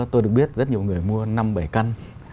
tôi được biết rất nhiều người mua năm bảy căn